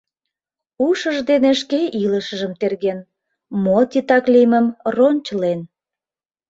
Ушыж дене шке илышыжым терген, мо титак лиймым рончылен.